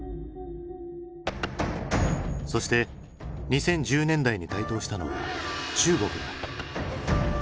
そして２０１０年代に台頭したのは中国だ。